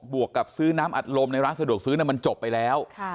วกกับซื้อน้ำอัดลมในร้านสะดวกซื้อมันจบไปแล้ว